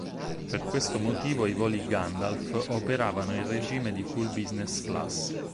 Per questo motivo i voli Gandalf operavano in regime di full business class.